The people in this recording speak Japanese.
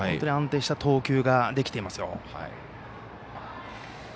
安定した投球ができていますよ。